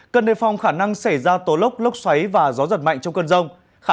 cần đề phong khả năng xảy ra tổ lốc lốc xoáy và gió giật mạnh trong cơn rông